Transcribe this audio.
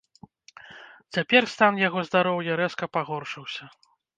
Цяпер стан яго здароўя рэзка пагоршыўся.